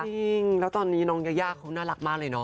จริงแล้วตอนนี้น้องยายาเขาน่ารักมากเลยเนาะ